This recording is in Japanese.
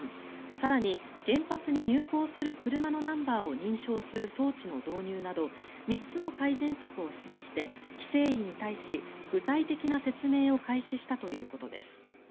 更に、原発に入構する車のナンバーを認証する装置の導入など３つの改善策を示して規制委に対し、具体的な説明を開始したということです。